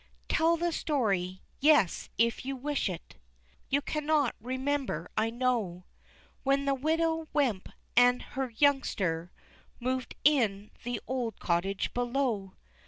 Tell the story yes, if you wish it, You cannot remember I know When the widow Wemp an' her youngster Moved in the old cottage below.